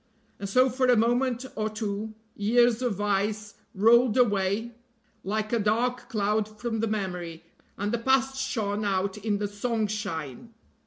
And so for a moment or two years of vice rolled away like a dark cloud from the memory, and the past shone out in the song shine.